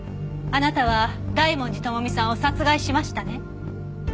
あなたは大文字智美さんを殺害しましたね？